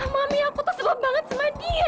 mami aku tuh sedul banget sama dia